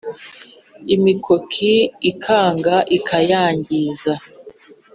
imikoki ikanga ikayangiza.